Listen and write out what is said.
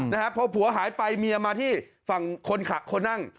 นะฮะพอผัวหายไปเมียมาที่ฝั่งคนนั่ง